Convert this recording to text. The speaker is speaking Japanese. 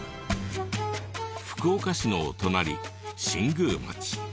福岡市のお隣新宮町。